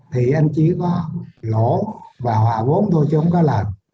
thì anh chỉ có lỗ và hòa vốn thôi chứ không có làm